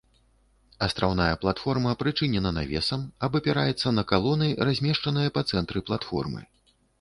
Астраўная платформа прычынена навесам, абапіраецца на калоны, размешчаныя па цэнтры платформы.